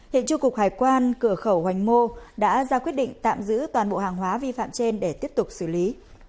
hiện trung cục hải quan cửa khẩu hoành mô đã ra quyết định tạm giữ toàn bộ hàng hóa vi phạm trên để tiếp tục xử lý